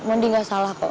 mending gak salah kok